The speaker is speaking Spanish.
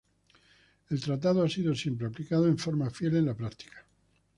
El tratado ha sido siempre aplicado de forma fiel en la práctica.